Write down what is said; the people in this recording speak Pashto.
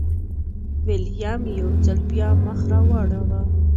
ویلیم یو ځل بیا مخ راواړوه.